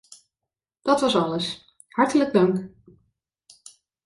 Dat was alles - hartelijk dank.